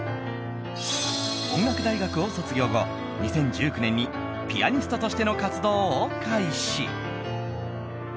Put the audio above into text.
音楽大学を卒業後２０１９年にピアニストとしての活動を開始。